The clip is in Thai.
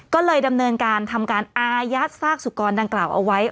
ก็เลยดำเนินการทำการอายัดซากสุกรดังกล่าวเอาไว้